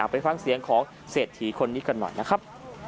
ไปฟังเสียงของเศรษฐีคนนี้กันหน่อยนะครับ